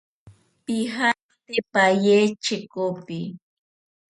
Pijate paye chekopi.